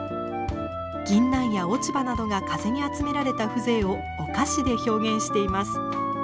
ぎんなんや落ち葉などが風に集められた風情をお菓子で表現しています。